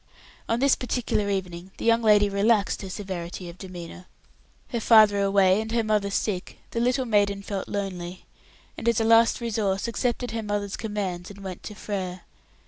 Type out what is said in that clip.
On this particular evening the young lady relaxed her severity of demeanour. Her father away, and her mother sick, the little maiden felt lonely, and as a last resource accepted her mother's commands and went to Frere.